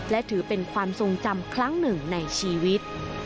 และถือเป็นความทรงจำครั้งหนึ่งในชีวิต